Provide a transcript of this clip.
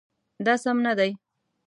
دا سم نه دی